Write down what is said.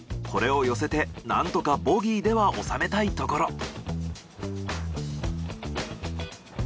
これを寄せてなんとかボギーでは収めたいところ。